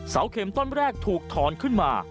เข็มต้นแรกถูกถอนขึ้นมา